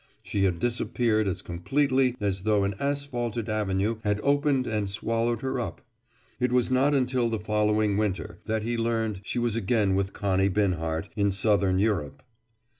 She had disappeared as completely as though an asphalted avenue had opened and swallowed her up. It was not until the following winter that he learned she was again with Connie Binhart, in southern Europe.